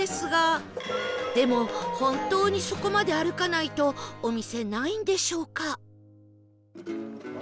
でも本当にそこまで歩かないとお店ないんでしょうか？